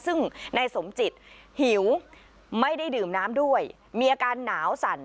ซึ่งนายสมจิตหิวไม่ได้ดื่มน้ำด้วยมีอาการหนาวสั่น